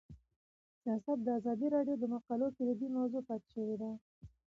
سیاست د ازادي راډیو د مقالو کلیدي موضوع پاتې شوی.